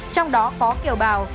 trong đó có kiểu bào